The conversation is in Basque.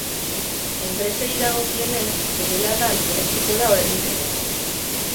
Enpresei dagokienez, telelana lehenetsiko da oraindik ere.